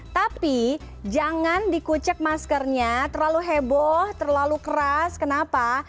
tapi jangan dikucek maskernya terlalu heboh terlalu keras kenapa